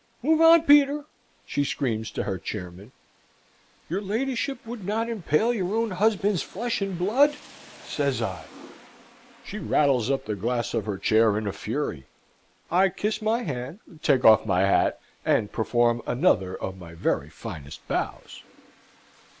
"Move on, Peter," she screams to her chairman. "Your ladyship would not impale your own husband's flesh and blood!" says I. She rattles up the glass of her chair in a fury. I kiss my hand, take off my hat, and perform another of my very finest bows.